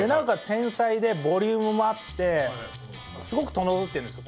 繊細でボリュームもあってすごく整ってるんですよ。